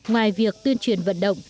ngoài việc tuyên truyền vận động